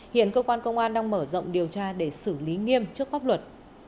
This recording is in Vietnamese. hiện cơ quan công an đang mở rộng điều tra để xử lý nghiêm trước pháp luật